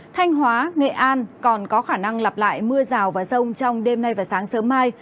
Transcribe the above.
thanh hóa nghệ an còn có khả năng lặp lại mưa rào và rông trong đêm nay và sáng sớm mai